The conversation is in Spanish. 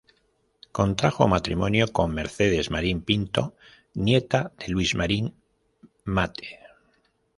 Contrajo matrimonio con Mercedes Marín Pinto, nieta de Luis Marín Matte.